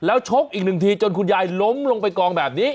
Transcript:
แล้วชกอีกหนึ่งทีจนคุณยายล้มลงไปกองแบบนี้